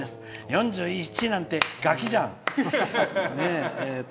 ４１なんてガキじゃん。